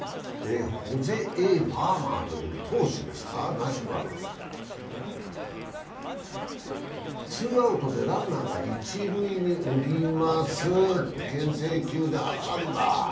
ホゼ・Ａ・ファーマーという選手ですか、ナショナルズ、ツーアウトでランナーが一塁におります、牽制球で挟んだ。